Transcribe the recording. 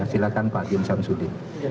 silakan pak jensam sudi